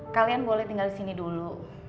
kalian boleh tinggal di sini dulu